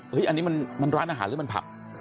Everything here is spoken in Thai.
อันนี้มันร้านอาหารหรือมันผับ